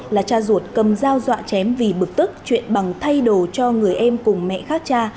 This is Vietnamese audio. là cha ruột cầm dao dọa chém vì bực tức chuyện bằng thay đồ cho người em cùng mẹ khác cha